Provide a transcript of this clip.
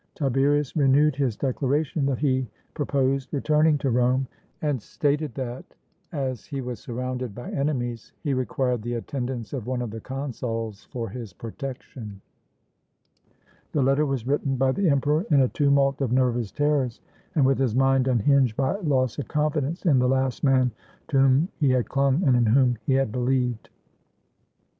Tiberius renewed his declaration that he proposed returning to Rome, and stated that, as he was surrounded by enemies, he required the attendance of one of the consuls for his protection. The letter was written by the emperor in a tumult of nervous terrors, and with his mind unhinged by loss of confidence in the last man to whom he had clung and in whom he had beheved.